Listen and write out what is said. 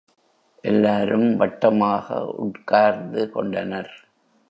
எல்லாரும் வட்டமாக உட்கார்ந்து கொண்டனர்.